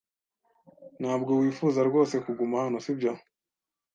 Ntabwo wifuza rwose kuguma hano, sibyo?